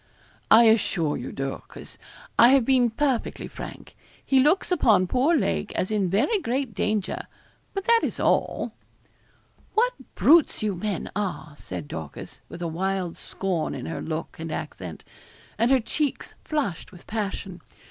'I assure you, Dorcas, I have been perfectly frank. He looks upon poor Lake as in very great danger but that is all.' 'What brutes you men are!' said Dorcas, with a wild scorn in her look and accent, and her cheeks flushed with passion.